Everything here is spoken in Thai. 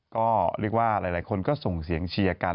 ก็เรียกว่าหลายคนก็ส่งเสียงเชียร์กัน